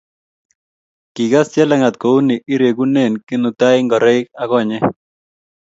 Kikas Jelagat kouni irekune Kinutai ngoroik ak konyek